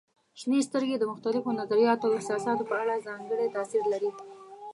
شنې سترګې د مختلفو نظریاتو او احساساتو په اړه ځانګړی تاثير لري.